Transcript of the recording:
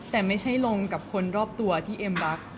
แต่ไม่ใช่ลงกับคนรอบตัวที่เอ็มรัก